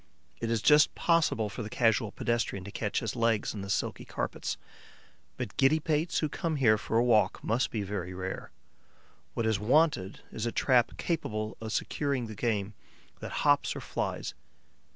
It is just possible for the casual pedestrian to catch his legs in the silky carpets; but giddy pates who come here for a walk must be very rare. What is wanted is a trap capable of securing the game that hops or flies.